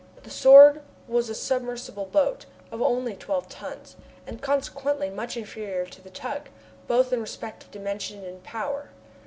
The Sword was a submersible boat of only twelve tons, and consequently much inferior to the tug, both in respect of dimensions and power.